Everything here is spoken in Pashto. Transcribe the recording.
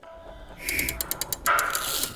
هغې ته خواړه، اوبه او بارود رسول کېدل.